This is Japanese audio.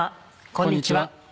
こんにちは。